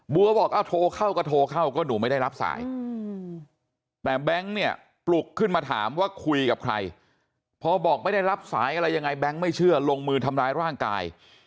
บอกเอาโทรเข้าก็โทรเข้าก็หนูไม่ได้รับสายแต่แบงค์เนี่ยปลุกขึ้นมาถามว่าคุยกับใครพอบอกไม่ได้รับสายอะไรยังไงแบงค์ไม่เชื่อลงมือทำร้ายร่างกาย